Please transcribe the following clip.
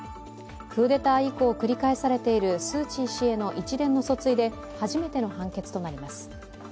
クーデター以降繰り返されているスー・チー氏への一連の訴追で初めての判決となります。